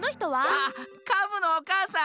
あっカブのおかあさん！